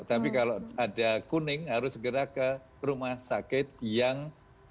tapi kalau ada kuning harus segera ke rumah sakit yang